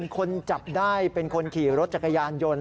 คนจับได้เป็นคนขี่รถจักรยานยนต์